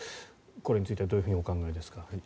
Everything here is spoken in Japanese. これについてはどうお考えですか？